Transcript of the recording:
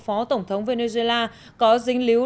phó tổng thống venezuela có dính líu